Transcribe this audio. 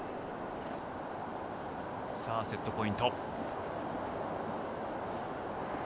セットポイント。